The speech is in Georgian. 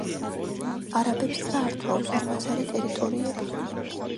არაბებს წაართვა უზარმაზარი ტერიტორიები.